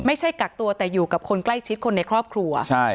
ไม่ใช่กักตัวแต่อยู่กับคนใกล้ชิดคนในครอบครัวใช่